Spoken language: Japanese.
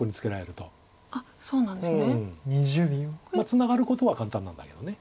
ツナがることは簡単なんだけど。